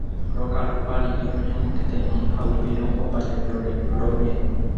Rokarupyhare rire roñomongeta'imi ha upéi rohopaite roñeno.